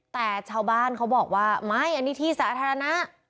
แต่ชาวบ้านเขาบอกว่าไม่อันนี้ที่สาธารณะ